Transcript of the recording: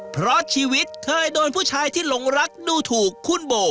เพราะชีวิตเคยโดนผู้ชายที่หลงรักดูถูกคุณโบ